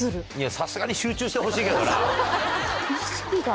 さすがに集中してほしいけどな。